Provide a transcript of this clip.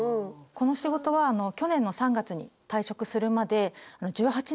この仕事は去年の３月に退職するまで１８年間勤めていました。